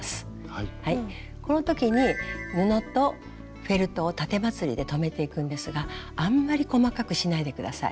この時に布とフェルトをたてまつりで留めていくんですがあんまり細かくしないで下さい。